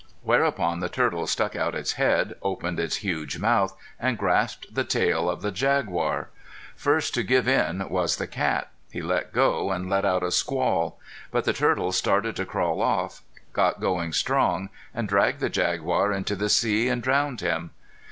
Whereupon the turtle stuck out its head, opened its huge mouth and grasped the tail of the jaguar. First to give in was the cat. He let go and let out a squall. But the turtle started to crawl off, got going strong, and dragged the jaguar into the sea and drowned him.